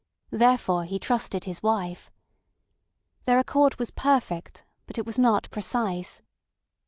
Therefore he trusted his wife. Their accord was perfect, but it was not precise.